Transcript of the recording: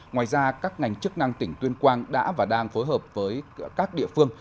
ngoài ra các ngành chức năng tỉnh tuyên quang đã và đang phối hợp với các địa phương